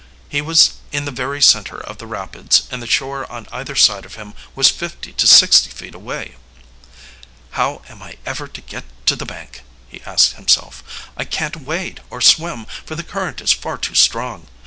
He was in the very center of the rapids, and the shore on either side of him was fifty to sixty feet away. "How am I ever to get to the bank?" he asked himself. "I can't wade or swim, for the current is far too strong.